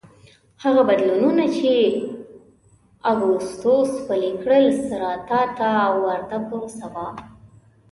هغه بدلونونه چې اګوستوس پلي کړل سېراتا ته ورته پروسه وه